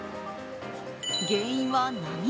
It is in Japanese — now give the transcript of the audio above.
原因は波。